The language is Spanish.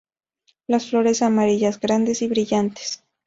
Las flores amarillas grandes y brillantes.